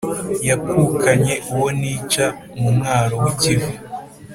Yakukanye uwo nica mu mwaro w'i Kivu,